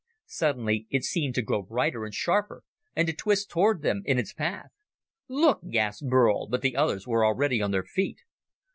Suddenly it seemed to grow brighter and sharper and to twist toward them in its path. "Look!" gasped Burl, but the others were already on their feet.